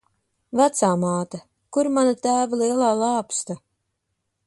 Vecāmāte, kur mana tēva lielā lāpsta?